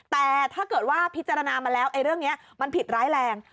แต่ถ้าเกิดว่าพิจารณามาแล้วเรื่องนี้มันผิดร้ายแรง